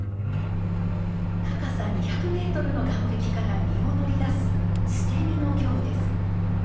高さ２００メートルの岩壁から身を乗り出す捨て身の行です。